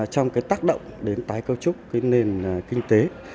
trong tác động đến tái cấu trúc nền kinh tế